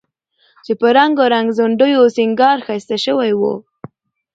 چې په رنګارنګ ځونډیو او سینګار ښایسته شوی و،